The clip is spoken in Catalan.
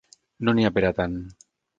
No n'hi ha per a tant.